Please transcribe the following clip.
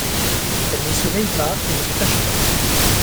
Elle ne se raye pas et ne se tache pas.